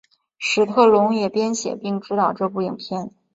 史特龙也编写并执导这部影片。